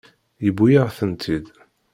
Yewwi-yaɣ-tent-id.